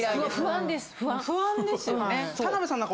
不安ですよね。